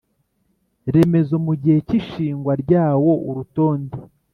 remezo mu gihe cy ishingwa ryawo Urutonde